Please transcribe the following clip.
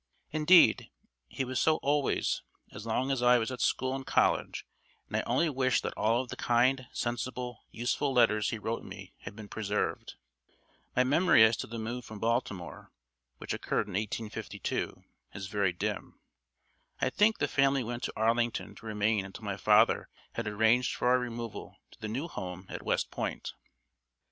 Indeed, he was so always, as long as I was at school and college, and I only wish that all of the kind, sensible, useful letters he wrote me had been preserved. My memory as to the move from Baltimore, which occurred in 1852, is very dim. I think the family went to Arlington to remain until my father had arranged for our removal to the new home at West Point.